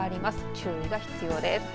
注意が必要です。